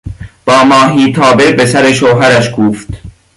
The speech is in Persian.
با ماهیتابه بر سر شوهرش کوفت.